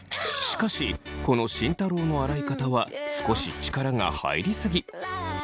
しかしこの慎太郎の洗い方は少し力が入りすぎ。